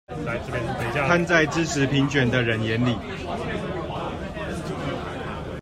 看在支持平權的人眼裡